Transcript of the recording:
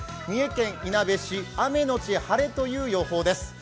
三重県いなべ市、雨のち晴れという予報です。